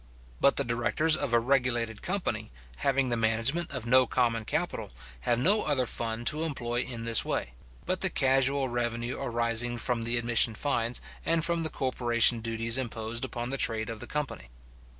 But the directors of a regulated company, having the management of no common capital, have no other fund to employ in this way, but the casual revenue arising from the admission fines, and from the corporation duties imposed upon the trade of the company.